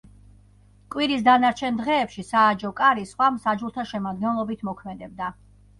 კვირის დანარჩენ დღეებში სააჯო კარი სხვა მსაჯულთა შემადგენლობით მოქმედებდა.